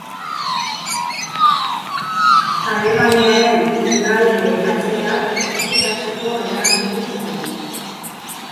Alemaniaren lurralde-hedatzea justifikatzeko erabili zen.